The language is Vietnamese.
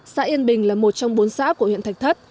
xã yên bình là một trong bốn xã của huyện thạch thất